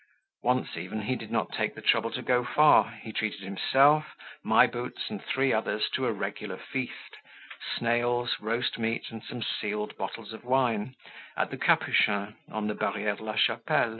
Once even he did not take the trouble to go far; he treated himself, My Boots and three others to a regular feast—snails, roast meat, and some sealed bottles of wine—at the "Capuchin," on the Barriere de la Chapelle.